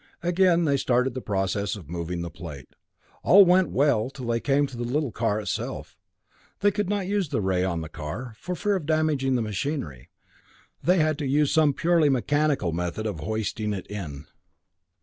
Again they started the process of moving the plate. All went well till they came to the little car itself. They could not use the ray on the car, for fear of damaging the machinery. They had to use some purely mechanical method of hoisting it in.